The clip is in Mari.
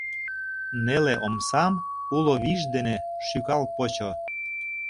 Неле омсам уло вийже дене шӱкал почо.